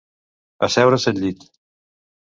Asseure's al llit.